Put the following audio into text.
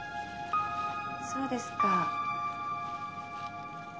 そうですか。